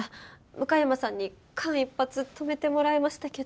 向山さんに間一髪止めてもらいましたけど。